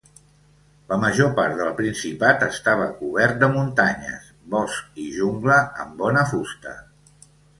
La major part del principat estava cobert de muntanyes, bosc i jungla, amb bona fusta.